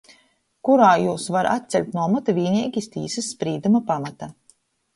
Kurā jūs var atceļt nu omota vīneigi iz tīsys sprīduma pamata.